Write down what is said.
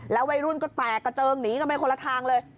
วัยรุ่นก็แตกกระเจิงหนีกันไปคนละทางเลย